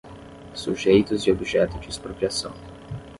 Sujeitos e objeto de expropriação.